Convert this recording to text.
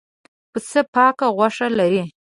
پسه پاکه غوښه لري.